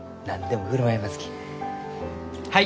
はい！